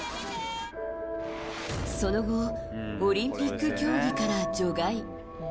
その後オリンピック競技から除外。